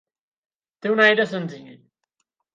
Té un aire senzill.